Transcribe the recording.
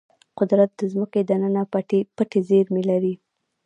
قدرت د ځمکې دننه پټې زیرمې لري.